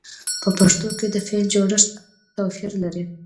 په پښتو کې د فعل جوړښت توپیر لري.